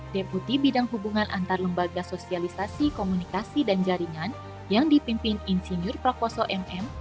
deputi bidang hubungan antar lembaga sosialisasi komunikasi dan jaringan yang dipimpin insinyur prakoso mm